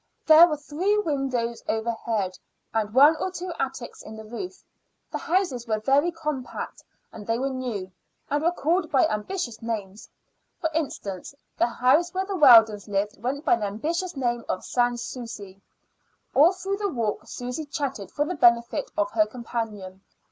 There were three windows overhead, and one or two attics in the roof. The houses were very compact; they were new, and were called by ambitious names. For instance, the house where the Weldons lived went by the ambitious name of Sans Souci. All through the walk Susy chatted for the benefit of her companion.